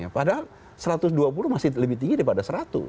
padahal satu ratus dua puluh masih lebih tinggi daripada seratus